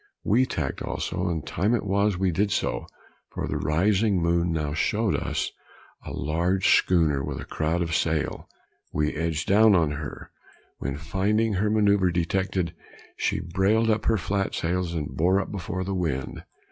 We tacked also, and time it was we did so, for the rising moon now showed us a large schooner with a crowd of sail. We edged down on her, when finding her manoeuvre detected, she brailed up her flat sails and bore up before the wind.